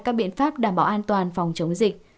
các biện pháp đảm bảo an toàn phòng chống dịch